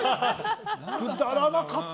くだらなかった。